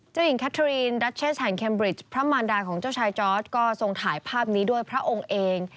หญิงแคทรีนดัชเชสแห่งเคมบริชพระมารดาของเจ้าชายจอร์ดก็ทรงถ่ายภาพนี้ด้วยพระองค์เอง